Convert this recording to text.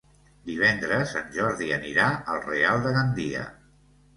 Divendres en Jordi anirà al Real de Gandia.